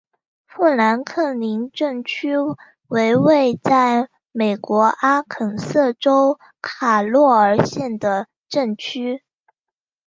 富兰克林镇区为位在美国阿肯色州卡洛尔县的镇区。